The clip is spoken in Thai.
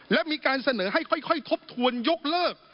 และมีการเสนอให้ค่อยทบทวนยกเลิก